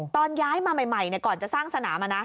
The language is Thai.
ตอนย้ายมาใหม่ก่อนจะสร้างสนาม